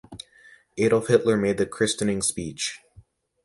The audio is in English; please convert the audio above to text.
Adolf Hitler made the christening speech.